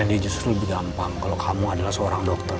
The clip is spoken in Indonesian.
dia justru lebih gampang kalau kamu adalah seorang dokter